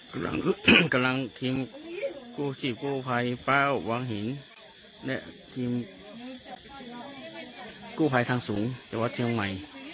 กำลังกำลังทีมกู้ชีพกู้ภัยฟ้าวังหินและทีมกู้ภัยทางสูงจังหวัดเชียงใหม่